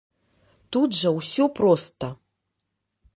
Тут жа ўсё проста.